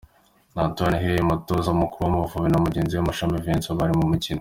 Antoine Hey umutoza mukuru w'Amavubi na mugenzi we Mashami Vincent bari ku mukino.